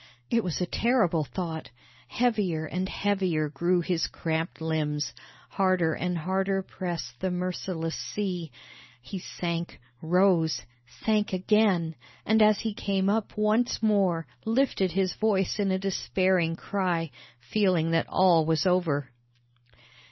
It was a terrible thought. Heavier and heavier grew his cramped limbs, harder and harder pressed the merciless sea. He sank rose sank again, and as he came up once more, lifted his voice in a despairing cry, feeling that all was over.